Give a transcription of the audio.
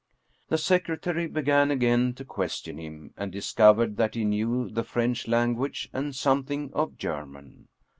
The secretary began again to question him, and dis covered that he knew the French language and something of German.